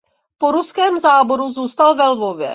Po ruském záboru zůstal ve Lvově.